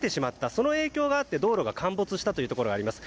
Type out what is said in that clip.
その影響があって道路が陥没したところがあります。